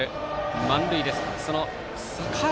満塁です。